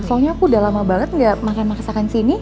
soalnya aku udah lama banget gak makan masakan sini